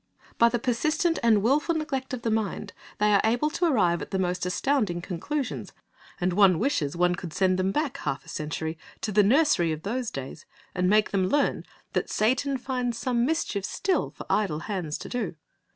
By the persistent and wilful neglect of the mind, they are able to arrive at the most astounding conclusions, and one wishes one could send them back half a century to the nursery of those days, and make them learn that "Satan finds some mischief still for idle hands to do."